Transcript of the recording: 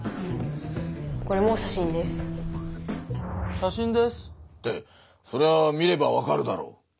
「写真です」ってそれは見ればわかるだろう。